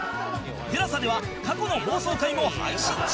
ＴＥＬＡＳＡ では過去の放送回も配信中